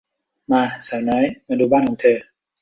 มา สาวน้อย มาดูบ้านของเธอ